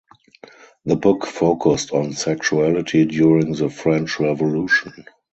The book focused on sexuality during the French Revolution.